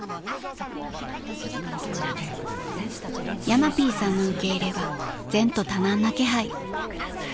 ［ヤマピーさんの受け入れは前途多難な気配］